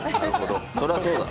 そりゃそうだ。